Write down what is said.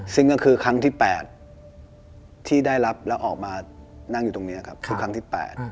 ซึ่งก็คือครั้งที่๘ที่ได้รับแล้วออกมานั่งอยู่ตรงนี้ครับทุกครั้งที่๘